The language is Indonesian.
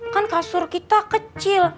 kan kasur kita kecil